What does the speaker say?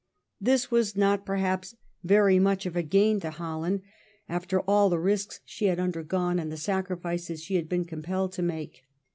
This was not perhaps very much of a 1713 WHAT HOLLAND GAINED. 137 gain to Holland after all the risks she had undergone and the sacrifices she had been compelled to make.